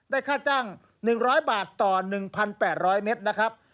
ค่าจ้าง๑๐๐บาทต่อ๑๘๐๐เมตรนะครับ